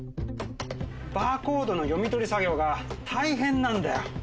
バーコードの読み取り作業が大変なんだよ。